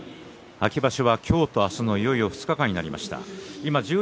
秋場所は今日と明日のいよいよ２日間となりました。